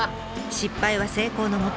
失敗は成功のもと！